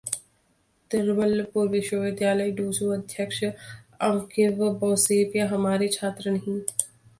तिरुवल्लुवर विश्वविद्यालय: डूसू अध्यक्ष अंकिव बैसोया हमारे छात्र नहीं